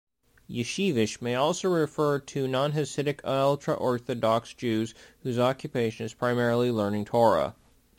Yeshivish may also refer to non-hasidic ultra-orthodox Jews whose occupation is primarily learning Torah.